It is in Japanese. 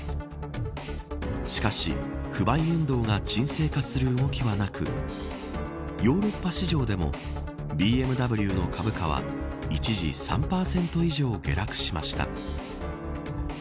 しかし不買運動が沈静化する動きはなくヨーロッパ市場でもＢＭＷの株価は一時３％以上、下落しました。